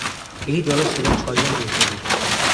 এই দলে ছিলেন ছয়জন বিপ্লবী।